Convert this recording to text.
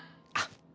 あっ！